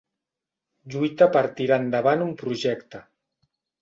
Lluita per tirar endavant un projecte.